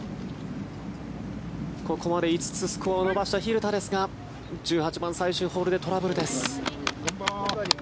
ここまで５つスコアを伸ばした蛭田ですが１８番、最終ホールでトラブルです。